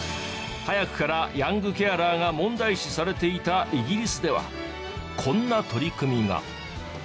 早くからヤングケアラーが問題視されていたイギリスではこんな取り組みが。